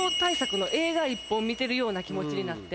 １本見てるような気持ちになって。